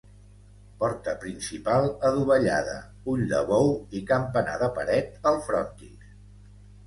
Porta principal adovellada, ull de bou i campanar de paret al frontis.